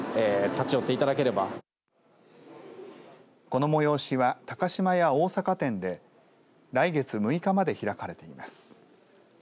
この催しは、高島屋大阪店で来月６日まで開かれています。